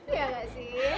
iya gak sih